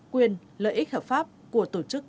quyền lợi ích hợp pháp của tổ chức